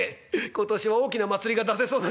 「今年は大きな祭りが出せそうなんで。